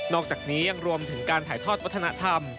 อกจากนี้ยังรวมถึงการถ่ายทอดวัฒนธรรม